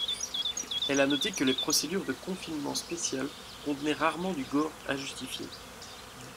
Elle a noté que les procédures de confinement spéciales contenaient rarement du gore injustifié.